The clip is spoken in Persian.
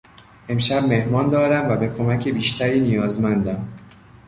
امشب مهمان دارم و به کمک بیشتری نیازمندم.